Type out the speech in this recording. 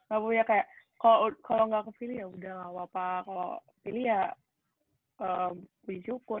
gak punya kayak kalau gak ke philly ya udah gak apa apa kalau philly ya gue yukur